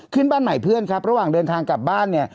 ขึ้นบ้านใหม่เพื่อนครับระหว่างเดินทางกลับบ้านเนี่ย